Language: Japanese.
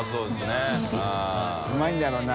廛螢うまいんだろうな。